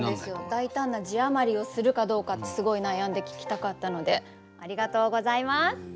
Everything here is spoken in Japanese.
大胆な字余りをするかどうかですごい悩んで聞きたかったのでありがとうございます。